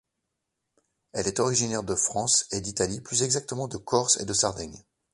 Elle est originaire de France et d'Italie, plus exactement de Corse et de Sardaigne.